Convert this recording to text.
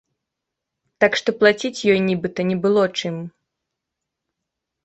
Так што плаціць ёй нібыта не было чым.